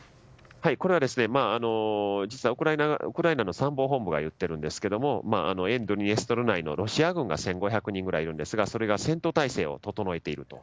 これは、実はウクライナの参謀本部が言っているんですけども沿ドニエストル内のロシア軍が１５００人ぐらいいるんですがそれが戦闘態勢を整えていると。